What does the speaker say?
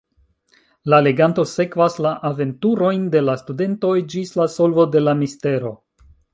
La leganto sekvas la aventurojn de la studentoj ĝis la solvo de la mistero.